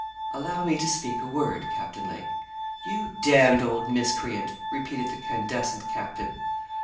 'Allow me to speak a word, Captain Lake.' 'You d d old miscreant!' repeated the candescent captain.